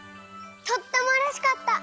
とってもうれしかった。